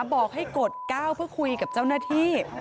บอกให้กดก้าวเพื่อคุยกับเจ้าหน้าที่